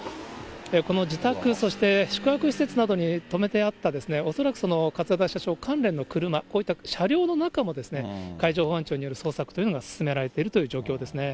この自宅、そして宿泊施設などに止めてあった、恐らく桂田社長関連の車、こういった車両の中も、海上保安庁による捜索というのが進められているという状況ですね。